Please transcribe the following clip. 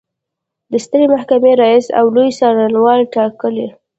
د سترې محکمې رئیس او لوی څارنوال ټاکي.